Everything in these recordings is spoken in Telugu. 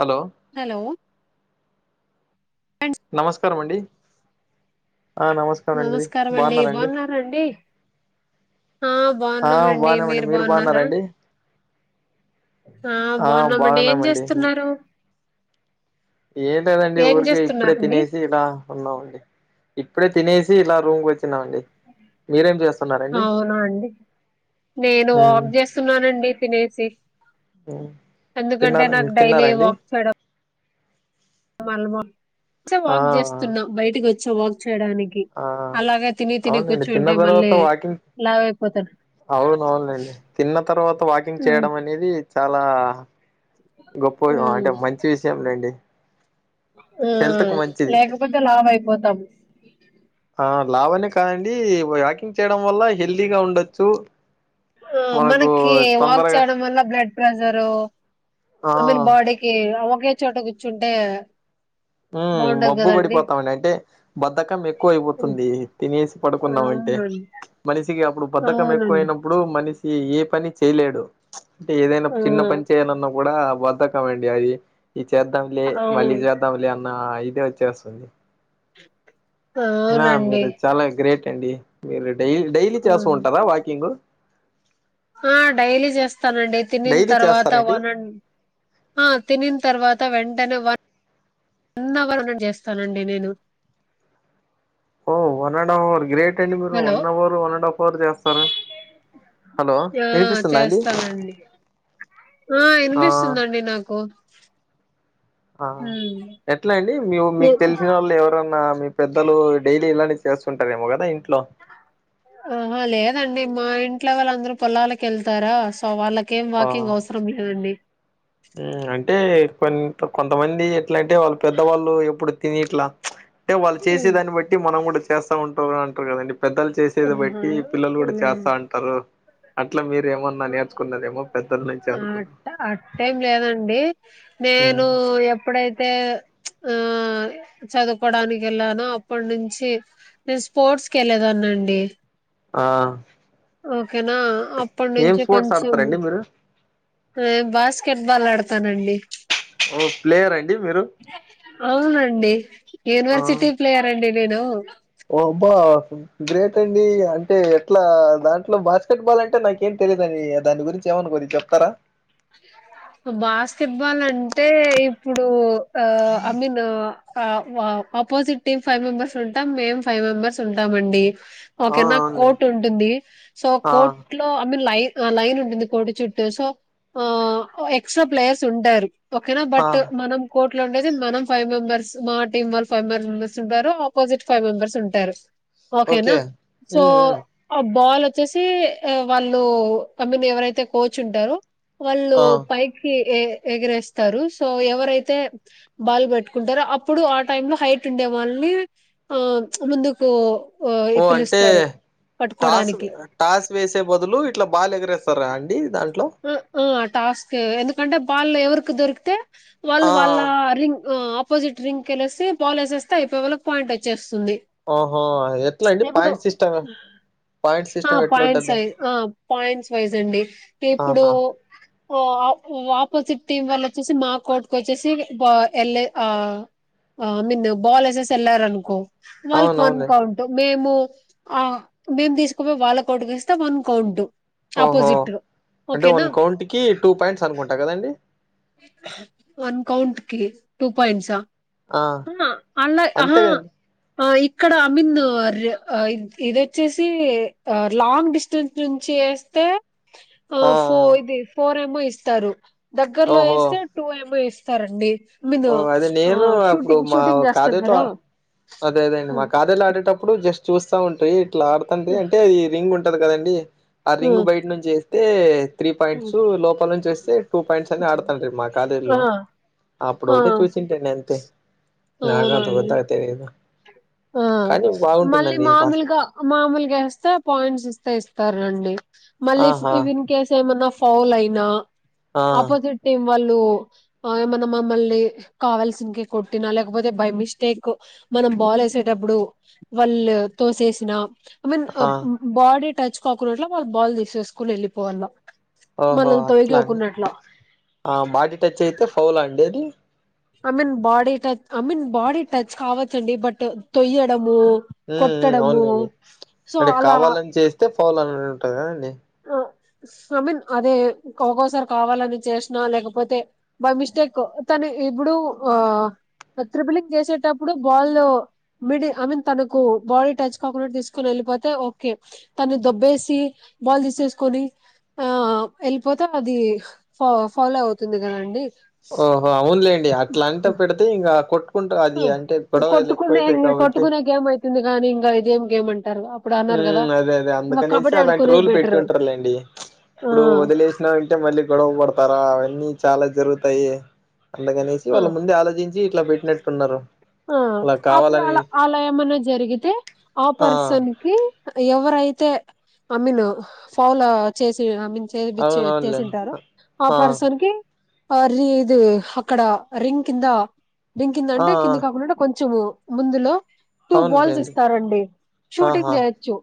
హలో హలో నమస్కారం అండి ఆ నమస్క రండి నమస్కారం అండి బాగున్నారండి ఆ బావున్నమండి మీరు బాగున్నారా అండి ఆ బాగున్నామండి ఏం లేదండి ఏం ఊరికే ఇప్పుడే చేస్తున్నారండి తినేసి ఇలా ఉన్నామండి ఇప్పుడే తినేసి ఇలా రూమ్కి వచ్చి న్నామండి మీరేం చేస్తున్నరు అవునా అండి నేను ఉమ్ వాక్ చేస్తున్నానండి తినేసి ఉమ్ ఎందుకంటే తిన్నార నాకు డైలీ తిన్నారండి వాక్ చేయడం మళ్ళ వాక్ చా ఆ వాక్ చేస్తున్నా బయటికి వచ్చా వాక్ చేయడానికి కి ఆ అలాగే తిని తిని అవునండి తిన్న కూర్చుంటే మళ్ళీ లావు అయిపోతారు అవునవును లెండి తిన్న తర్వాత వాకింగ్ ఉమ్, చేయడం అనేది చాలా గొప్ప ఉమ్, అంటే మంచి విషయం లేండి ఆ హెల్త్ కు మంచిది లేకపోతే లావు అయిపోతాం ఆ లావు అనే కాదండీ వాకింగ్ చేయడం వల్ల హెల్దీగా ఉండొచ్చు ఆ మనకు మనకి వాక్ తొందరగా చేయడం వల్ల బ్లడ్ ప్రెషరు ఆ ఐ మీన్ బాడీకి ఒకే చోట కూర్చుంటే ఉమ్ బాగుండదు మబ్బు కదండీ! పడిపోతామండి అంటే బద్దకం ఎక్కువ హ్మ్. అయిపోతుంది తినేసి పడుకున్నామంటే అవునండి. మనిషికి అప్పుడు బద్ధకం అవునండి. ఎక్కువయిన ప్పుడు మనిషి ఏ పని చేయలేడు ఏదైనా ఆ! చిన్న పని చేయాలన్నా కూడా బద్ద మండి అయి ఇది చేద్దాంలే మళ్ళీ అవును. చేద్దాంలే అన్న ఇది వచ్చేస్తుంది హ అయిన మీరు చాలా గ్రేట్ అండి మీరు డై డైలీ చేస్తూ ఆహా! ఉంటారా వాకింగ్ ఆ డైలీ చేస్తానండి తినిన డైలీ తర్వాత చేస్తారండి వన్ అండ్ ఆ తినిన తర్వాత వెంటనే వన్ అవర్ అన చేస్తానండి నేను ఓ one and half hour great అండి మీరు hello! One hour one and half hour చేస్తారు హలో ఆ! వినిపిస్తుందా అండి చేస్తానండి. ఆ ఇనిపిస్తుందండి నాకు ఆ హ్మ్. ఎట్లా అండి మీ ఎ మీకు తెలిసిన వాళ్ళు ఎవరు న్నా మీ పెద్దలు డైలీ ఇలానే చేస్తుంటారేమో కదా ఇంట్లో ఆహ లేదండి మా ఇంట్లో వాళ్ళందరు పొలాలకి వెళ్తారా సో వాళ్ళకి ఏం ఆ వాకింగ్ అవసరం లేదండి ఉమ్ అంటే కొంత్ కొంతమంది ఎట్లంటే వాళ్ళు పెద్దవాళ్ళు ఎప్పుడు తిని ఇట్లా అంటే వాళ్ళు హ్మ్. చేసేదాన్ని బట్టి మనం కూడా చేస్తా ఉంటారు అంటారు కదండి పెద్దలు చేసేది ఆహా బట్టి పిల్లలు కూడా లేదు చేస్తా అం హలో అట్లా మీరేమన్నా నేర్చుకున్నరేమో పెద్దల నుంచి అనుకున్న అటా ఏం లేదండి ఉమ్. నేను ఎప్పుడైతే ఆ చదువుకోవడానికి వెళ్ళాను అప్పటి నుంచి నేను స్పోర్ట్స్ కి వెళ్ళెదాన్నండి ఆ ఓకేనా అప్పటి ఏం నుంచి స్పోర్ట్స్ కొంచెం ఆడతారండి మీరు మేం బాస్కెట్ బాల్ ఆడతానండి ఓ ప్లేయర్ అండి మీరు అవునండి ఆ యూనివర్సిటీ ప్లేయర్ రండి నేను ఓ అబ్బా గ్రేట్ అండి అంటే ఎట్లా దాంట్లో బాస్కెట్ బాల్ అంటే నాకేం తెలియద దండి దాని గురించి ఏమనుకో చెప్తారా బాస్కెట్ బాల్ అంటే ఇప్పుడు ఆ ఐ మిన్ ఆ వా ఆపోజిట్ టీమ్ ఫైవ్ మెంబెర్స్ ఉంటాం మేం ఫైవ్ మెంబర్స్ ఉంటా మండి ఆ ఓకే నా అవునులే కోట్ ఉంటుంది సో ఆ కోట్ కోట్లో ఐ మీన్ లైన్ లైన్ ఉంటుంది కోటి చుట్టూ సో ఆహ్ ఎక్స్ట్రా ప్లేయర్స్ ఉండరూ ఓకేనా ఆ బట్ మనం కోర్ట్ లో ఉండేది మనం ఫైవ్ మెంబెర్స్ మా టీం వాళ్లు ఫైవ్ ఫైవ్ మెంబర్స్ ఉంటారు ఆపోజిట్ ఫైవ్ మెంబర్స్ ఉంటారు ఓకేనా ఓకే సో ఉమ్ ఉమ్ ఆ బాల్ వచ్చేసి వాళ్ళు ఐ మీన్ ఎవరైతే కోచ్ ఉంటరో వాళ్ళు ఆ పైకి ఎగరేస్తారు సో ఎవరైతే బాల్ పట్టుకుంటారు అప్పుడు ఆ టైమ్ లో హైట్ ఉండే వాళ్ళని ఆ ముందుకు ఓ ఎక్కిలిస్తారు టాస్ పట్టుకోడానికి టాస్ వేసే బదులు ఇట్లా బాల్ ఎగరేస్తారా అండి దాంట్లో అ ఆ టాస్క్ ఎందుకంటే బాల్ ఎవరికి దొరికితే వాళ్ళు ఆ వాళ్ళ రింగ్ ఆపోజిట్ రింగ్ కెళ్ళెసి బాల్ ఏసేస్తే అయిపోవెలె పాయింట్ వచ్చేస్తుంది ఓహో ఎట్లా అండి ఇప్పుడు పాయింట్ సిస్టమ్ పాయింట్ ఆ సిస్టమ్ పాయింట్స్ ఎట్లుంటది స్రెజ్ ఆ పాయింట్స్ వైజ్ అండి ఇప్పుడు ఆహా ఆ ఆపోజిట్ టీం వాళ్ళ వచ్చేసి మా కోర్ట్ కు వచ్చేసి వెళ్ళ ఆ ఐ మీన్ బాల్ ఎసెస్ ఎలారనుకో బాల్ కి వన్ అవునవునులే కౌంట్ మేము ఆ మేము తీసుకుపోయి వాళ్ళ కోర్టుకి ఇస్తే వన్ కౌంట్ ఓహో ఆపోజిట్ అంటే ఓకేనా వన్ కౌంట్ కి టూ పాయింట్స్ అనుకుంటా కదండి వన్ కౌంట్ కి టూ పాయింట్స్ ఆ అలా అంతే ఆహా కదండి ఆ ఇక్కడ ఐ మీన్ ఇదోచ్చేసి లాంగ్ డిస్టెన్స్ నుంచి వేస్తే ఆ ఫోర్ ఇది ఫోర్ ఏమో ఇస్తారు దగ్గర్లో ఓహో వేస్తే టూ ఏమో ఇస్తారండి ఐ మీన్ ఓ అదే నేను ఆహ్, అప్పుడు షూటింగ్ మా షూటింగ్ జేస్తాం కాలేజీలో గదా! అదే అదేండి మా హ్మ్. కాలేజ్ లో ఆడేటప్పుడు ఇప్పుడు జస్ట్ చూస్తా ఉంట్రి ఇట్లా ఆడుతండ్రి హ్మ్. అంటే అది రింగ్ ఉంటది కదండి ఆ రింగ్ హ్మ్. బయట నుంచి వ అయితే త్రీ హ్మ్. పాయింట్స్ లోపల నుంచి వస్తే టూ పాయింట్స్ అని ఆడతాను మా కాలేజ్ ఆ! లో అప్పుడు ఆ! ఒకటే చూసింటానీ అంతే నాగా అంత అవునండి. కొద్దగా తెలియదు ఆ కానీ మళ్ళీ బాగుంటుందండి బాస్కెట్ మామిలుగా బాల్ మామూలుగా ఏస్తే పాయింట్స్ ఇస్తే ఇస్తారండి మళ్ళీ ఇఫ్ ఆహా ఇన్ కేస్ ఏమన్నా ఫౌల్ అయినా ఆ ఆపోజిట్ టీం వాళ్ళు ఆ ఏమన్న మమ్మల్నీ కావల్సిన్కి కొట్టినా లేక పోతే బై మిస్టేక్ మనం బాలెస్ వచ్చేటప్పుడు, వళ్ళు తోసేసినా మన్ ఆ అప్మ్ బాడీ టచ్ కాకుడట్ల వాళ్ళు బాల్ దీసేసుకొని ఎళ్ళిపోవల్ల ఓహో మనల్ని తొగి అట్లా అండి అకున్నట్లా ఆ బాడీ టచ్ అయితే, ఫౌలా అండి? అదీ I mean body touch I mean body touch కావచ్చండి. బట్ తొయ్యడమూ మ్ మ్ అవును లెండి. అంటే అలా కావాలని చేస్తే ఫౌల్ అన్నట్టు కదండి? అ ఐ మిన్ అదే ఒకోకోసారి కావాలని చేసినా, లేక పోతె బై మిస్టేక్ తని ఇప్పుడూ ఆ త్రిబ్లింగ్ జేసేటప్పుడు బాల్ల్ మిడి ఐ మీన్ తనకూ బాడీ టచ్ కాకుండా, తీసుకొని ఎళ్లిపోతే, ఓకే. తను దొబ్బేసి, బాల్ దీసేసుకొని, ఆ ఎళ్ళిపోతే, అదీ ఫ ఫౌల్ అవుతుంది గదండీ. ఓహో! అవును లెండి, అట్ల అంటె పెడితే ఇంగా కొట్ క్కుంటు అదీ అంటే పొడవైర్లు ఎక్కువైతయి కాబట్టి తుంది గాని ఇంగా ఇదేం గేమ్మంటారు? అప్ ఊమ్, అదే అదే అందుకనేసి అలాంటి ఆడుకునేది రూల్ పెట్టి బెటర్ ఉంటరు లేండి. ఆ ఇప్పుడూ వదిలేసిన తె మళ్ళీ గొడవ పడతారా? అవన్నీ చాలా జరుగుతాయి. అందుకనేసి, ఆ వాళ్ళ ముందే ఆలోచిం చి ఇట్ల బెట్టినట్టున్నరు. ఆ అప్పుడు అల ఆలా ఏమన్నా జరిగితే, ఆ పర్సన్ కి ఎవరైతే, అ మిన్ ఫౌలో చేసి, అ మిన్ చేదిపిచ్చి అవునవునులేండి వెత్తేసుంటారొ, ఆ పర్సన్ కి అర్రీ ఇదీ హక్కడా రింగ్ కిందా రింగ్ కింద ఆ! అంటే ఉండుట కొంచమూ ముందులో టూ బాల్స్ అవునులేండి ఇస్తారండి, షూటింగ్ ఆహా జేయొచ్చు.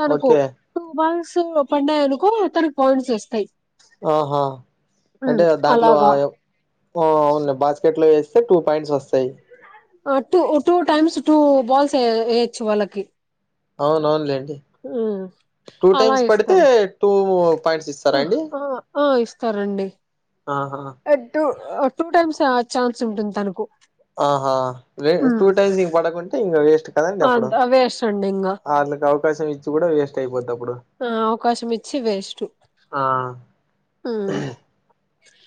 తనకు ఓకే టూ బల్సూ పడ్డాయనుకో, అతనకి పాయింట్స్ ఒస్తయి. ఆహా, అంటే దాంట్లో అలాగా ఆయె ఆ అవునులె బాస్కెట్ లో ఏసి స్తె టూ పాయింట్స్ ఒస్తయి. ఆ two two times two balls ఏ ఏయొచ్చు వాళ్ళకి అవునవును లెండి. ఉమ్ టూ అలా టైమ్స్ పడితే, ఇస్తారు టూ పాయింట్స్ ఆ ఇస్తరా అండి? ఆ ఆ ఇస్తారండి. ఆహా ఎ టూ టూ టైమ్స్ ఛాన్స్ ఉంటుంది తనకు ఆహా, వే టూ హ్మ్. టైమ్స్ ఇంగ్ పడకుంటే ఇంగ వేస్ట్ కదండి అప్పుడు పండేంగా ఆర్లు కావు. అవకాశం ఇచ్చి గుడా వేస్ట్ అయిపోద్దప్పుడు. ఆ అవకాశం ఇచ్చి వేస్టు ఆ ఆ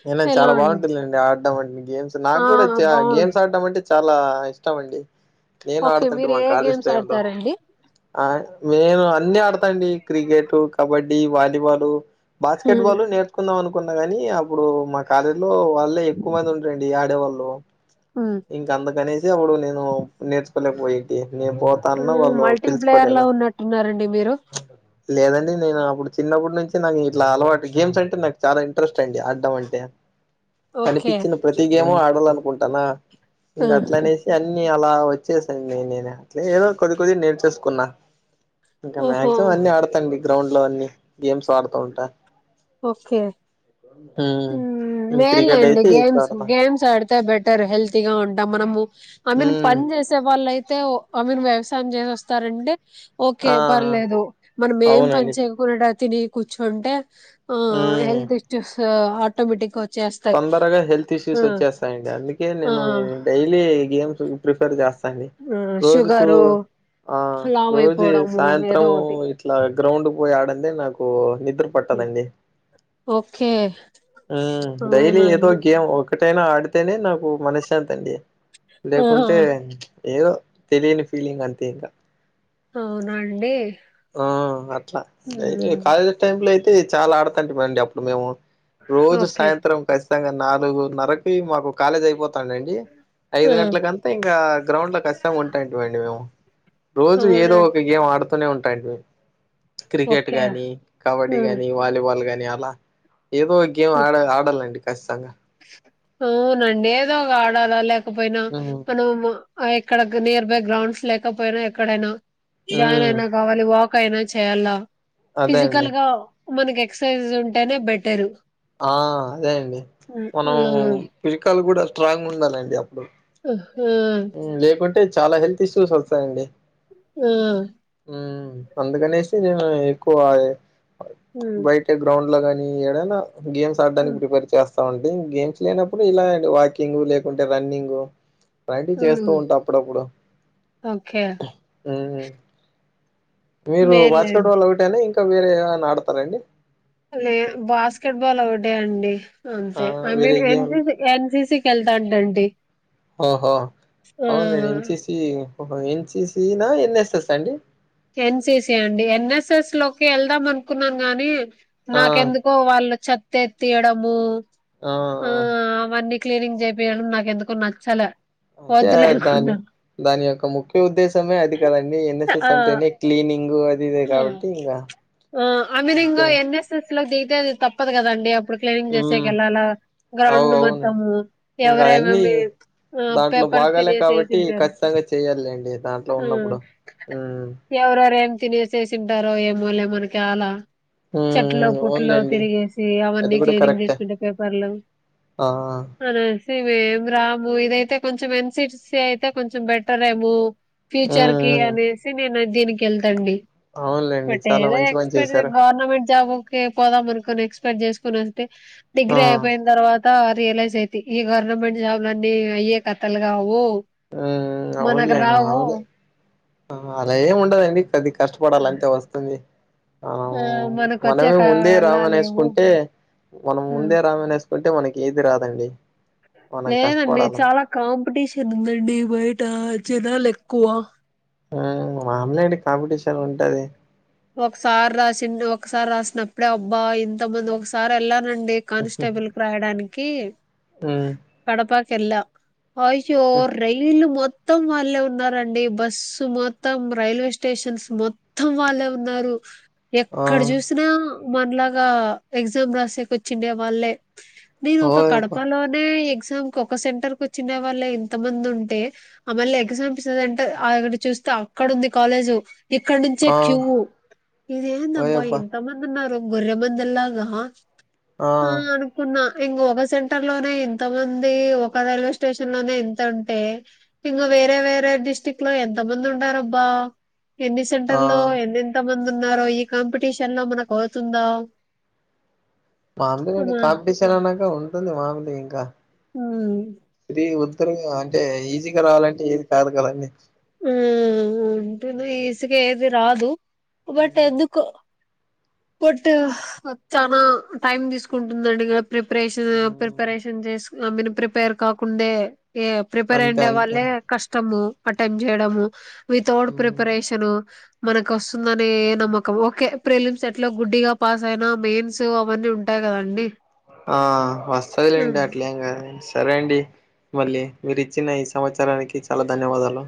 ఏం లేదు, చాలా బాగుంటుదండి ఆడడంమంటే గేమ్స్. నాకు ఆ గూడా చా బాగుండు గేమ్స్ ఆడడం అంటె చాలా ఇష్టమండి. నేను ఓకే ఆడుతుంట మీరు మా ఏ కాలేజ్ గేమ్స్ టైం లో. ఆడతారండి ఆ నేను అన్ని ఆడతాండి. Cricket, kabaddi, volleyball basketball నేర్చుకుందాం అనుకున్న గనీ, అప్ ఇప్పుడూ మా కాలేజ్లో వాళ్ళే ఎక్కువ మంది ఉంటరండి ఆడేవాళ్ళు. ఇంక అందుకనేసి, అప్పుడు నేనూ నేర్చుకోలేక పొయిద్ది. నేను బోతా అన్న వాళ్ళు టిం బ్లేయర్లా ఉన్నట్టున్నారండి మీరు. ప్చ్! లేదండి నేనూ అప్పుడు చిన్నప్పడు నుంచి నాకు ఇట్లా అలవాటు. గేమ్స్ అంటే, నాకు చాలా ఇంట్రెస్ట్ అండి. అ అంటే ఓకే కనిపించిన ప్రతి గేము ఆడాలనుకుంటానా ఆ! ఇంకా అట్లానే అన్నీ అలా వచ్చేసయండి నేను అట్ల ఏదో కొద్ది కొద్దిగా నేర్చేసుకున్నా ఇంకా ఓహో మాక్సిమం అన్ని ఆడతాం మీ గ్రౌండ్ లో అన్ని గేమ్స్ ఆడుతా ఉంటా ఓకే ఉమ్ క్రికెట్ మేన్లండి అయితే ఎక్కువ గేమ్స్ ఆడతా గేమ్ మ్స్ ఆడితే బెటర్ హెల్తీగా ఉంటాం మనము ఐ మీన్ ఉమ్ పని చేసే వాళ్ళ అయితే ఆ మీన్ వ్యవసాయం చేసోస్తారంటే ఓకే ఆ పర్లేదు మనం ఏం పని అవునండి చేయ కూనడా తిని కూర్చుంటే ఆ ఉమ్ హెల్త్ ఇష్యూస్ ఆటోమేటిగ్గ తొందరగా హెల్త్ ఇష్యూస్ వచ్చేస్తాయండి అందుకే ఆ నేను డైలీ గేమ్స్ ప్రిఫర్ చేస్తాను ఆ రోజుకు షుగరు ఆ లావు రోజు అయిపోవడము ఏదో సాయంత్రము ఒకటి ఇట్ ట్లా గ్రౌండ్ కు పోయి ఆడందే నాకు నిద్ర పట్టదండి ఓకే ఆ డైలీ ఏదో అవునండి గేమ్ ఒకటైనా ఆడితేనే నాకు మనశ్శాంతి అండి ఆ లేకుంటే ఏదో తెలియని ఫీలింగ్ అంతే ఇకా అవునా అండి ఆ అట్లా అ కాలేజ్ టైమ్ లో అయితే చాలా ఆడతంట మండి అప్పుడు మేము రోజు ఓకే సాయంత్రం ఖచ్చితంగా నాలుగున్నరక్ కి మాకు కాలేజ్ అయిపోతాందండి ఐదు ఆ గంటలకం ఇంకా గ్రౌండ్ లో కష్టంగా ఉంటాయంటిమండి మేము రోజు ఏదో అవునండి ఒక గేమ్ ఆడుతూనే ఉంటాం క్రికెట్ ఓకే గానీ ఆ కబడ్డీ గానీ వాలీబాల్ గానీ అలా ఏదో ఒక గేమ్ ఆ ఆడ ఆడాలండి ఖచ్చితంగా అవునండి ఏదో ఒక ఆడాలా లేకపోయినా మ్మ్ మనం ఎక్కడ నియర్ బై గ్రౌండ్స్ లేకపోయిన ఎక్కడైనా జాయిన్ మ్మ్ అయినాక్ కావాలి వాక్ అయినా చేయాల అదే అండి ఫిజికల్ గా మనకి ఎక్సర్సైజ్ ఉంటేనే బెటరు ఆ అదే అండి హ్మ్. మనం హ్మ్. పిరికాలు కూడా స్ట్రాంగ్ ఉండాలండి అప్పుడు ఉహూ అంటే చాలా హెల్త్ ఇష్యూస్ వస్తాయండి మ్ మ్ అందుకనేసి ఎక్కువ హ్మ్. వైట్ అంటే గ్రౌండ్ లోగాని ఏడైనా గేమ్స్ ఆడడానికి హ్మ్. ప్రిపేర్ చేస్ డి గేమ్స్ లేనప్పుడు ఇలా వాకింగ్ లేకుంటే రన్నింగ్ ప్రాక్టీస్ చేస్తూ హ్మ్. ఉంటా అప్పుడప్పుడు ఓకే మ్ హు మీరు బాస్కెట్ మేల్లేండి బాల్ ఒకటేనా ఇంకా వేరే ఏదైన ఆడతారండి లేదు బాస్కెట్ బాల్ ఒకటే అండి ఆ! అంతే ఐ వేరే మీన్ ఎన్ గేమ్ ఎన్సిసికి వెళ్తాంటండి ఓహో అవునండి ఆ ఎన్సిసి ఎన్సిసినా ఎన్ఎస్ఎస్ అండి ఎన్సిసి అండి ఎన్ఎస్ఎస్ లోకి వెళ్దాం అనుకున్నాను గాని ఆ! నాకెందు కో వాళ్ళు చెత్త్ఎత్తీయడము ఆ ఆ అవన్నీ క్లీనింగ్ చేపియడం నాకు ఎందుకో నచ్చలే అంటే వద్దులే దాని అనుకున్నా దాని యొక్క ముక్ ఉద్దేశమే అది కదండి ఆ ఎన్ఎస్ఎస్ అంటేనే క్లీనింగ్ అదిదే కాబట్టి ఇంకా ఆమెదింగా ఎన్ఎస్ఎస్ లో దిగితే అది తప్పదు కదండి అప్ క్లీన్ ఉమ్ చేసేకెళ్ళాలా అవు గ్రౌండ్ అవును మొత్తము ఇంకా అయన్నీ ఎవరేమేమి ఆ దాంట్లో పేపర్స్ బాగాలే కాబట్టి తినేసేసింటారు ఖచ్చితంగా చెయ్యాలి అండి దాంట్లో ఉన్నప్పుడు హ్మ్ ఎవరోరేం తినేసి వేసేసింటారో ఏమోలే మనకి యాల చెట్లో ఉమ్ పుట్లో అవునులేండి తిరిగేసి అది అవన్నీ కూడా క్లీనింగ్ కరెక్టే చేసుకుంటే పేపర్లు ఆ అనేసి మేము రాము ఇదైతే ఎన్సీసి అయితే కొంచెం బెటరేమో ఉమ్ ప్యూచర్ కి ఉమ్ అనేసి నేను దీనికెళ్తా అండి అవునులేండి బట్ చాలా ఏదో మంచి పని ఎక్స్పెక్ట్ జేయ్ చేశారు గవర్నమెంట్ జాబు కే పోదాం అనుకుని ఎక్స్పెక్ట్ చేసుకొని ఉంటే ఆ డిగ్రీ అయిపోయిన తర్వా త రియలైజ్ అయితి ఈ గవర్నమెంట్ జాబ్లన్ని అయ్యే కథలుగావు ఆ అవునులే మాములే ఆ అలా ఏమి ఉండదండి కొద్దిగ కష్టపడాలంతే వస్తుంది అ ఆ మనకు వచ్చే మనమే ముందే కళ రామనే లేవు వేసుకుంటే మనం ఉమ్, ముందే రామనే వేసుకు అంటే మనకి ఏది రాదండి మనం లేదండి కష్టపడాల చాలా కాంపిటీషన్ ఉందండి బయట జనాలు ఎక్కువ ఆ మాములే అండి కాంపిటీషన్ ఉంటది ఒకసారి రాసిండు ఒకసారి రాసినప్పుడే అబ్బా ఇంతమంది ఒకసారి వెళ్ళానండి కానిస్టేబుల్ కు రాయడానికి ఉమ్ కడప కెళ్ళా అయ్యో రైలు మొ త్తం వాళ్ళే ఉన్నారండి బస్సు మొత్తం రైల్వే స్టేషన్స్ మొత్తం వాళ్ళే ఉన్నారు ఆ ఎక్కడ జూసు తునా మనలాగా ఎగ్జామ్ రాసే కి వచ్చిండే వాళ్ళే నేను ఒక ఓయబ్బ కడపలో నే ఎగ్జామ్ కు ఒక సెంటర్ కు వచ్చిండే వాళ్ళే ఇంతమంది ఉంటే ఆ మళ్ళీ ఎగ్జాం [unintelligible] చూస్తే అక్కడుంది కాలేజ్ ఇక్కడ నుంచే ఆ క్యూ ఇదేందబ్బా ఓయబ్బ ఇంతమంది ఉన్నారు గొర్రెమందల్లాగా ఆ అను కున్నా ఇంగ ఒక సెంటర్ లోనే ఇంత మంది ఒక రైల్వే స్టేషన్ లోనే ఇంత ఉంటే ఇంగ వేరే వేరే డిస్టిక్ లోఎంత మంది ఉండారు అబ్బా ఎన్ని ఆ సెంటర్లో ఎన్నెన్ ఎంత మంది ఉన్నారో ఈ కాంపిటీషన్ లో మనకు అవుతుందా మాములుగాండి అమ్మా. కాంపిటీషన్ అన్నాక ఉంటుంది మాములే ఇంకా ఉమ్, ఇది ఉద్ధరుగా అంటే ఈజీగా రావాలంటే ఏది కాదు కదన్నీ ఉమ్ ఉంటుంది ఈజీగా ఏది రాదు బట్ హ్మ్. ఎందుకో కొట్టు వచ్చాన టైం తీసుకుంటుంది దండిగ ప్రిపరేషన్ హ్మ్. ప్రిపరేషన్ చేసు ఆమెను ప్రిపేర్ కాకుండే ఏ ప్రిపేర్ అంతే అంతే అయ్యుండేవాల్లే కష్టము అటెండ్ చేయడము వితౌడ్ హ్మ్ ప్రిపరేషను మనకు వస్తుందనే నమ్మకం ఓకే ప్రిలిమ్ సే లో గుడ్డిగా పాస్ అయినా మెయిన్స్ అవన్నీ ఉంటాయి కదండి ఆ వస్తదిలేండి ఆ అట్లేం కాదు సరే అండి మళ్ళీ మీరు ఇచ్చిన ఈ సమాచారానికి చాలా ధన్యవాదాలు